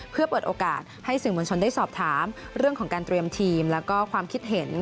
เพื่อเปิดโอกาสให้สื่อมวลชนได้สอบถามเรื่องของการเตรียมทีมแล้วก็ความคิดเห็น